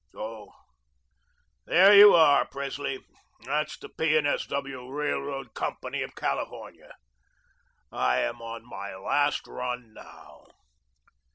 So there you are, Presley. That's the P. & S. W. Railroad Company of California. I am on my last run now."